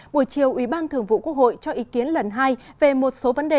buổi chiều ủy ban thường vụ quốc hội cho ý kiến lần hai về một số vấn đề